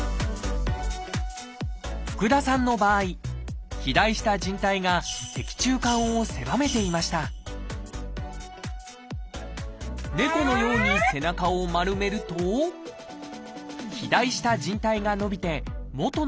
福田さんの場合肥大したじん帯が脊柱管を狭めていました猫のように背中を丸めると肥大したじん帯が伸びて元の位置に戻ります。